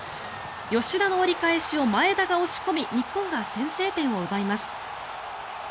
吉田の折り返しを前田が押し込み日本が先制点を奪います。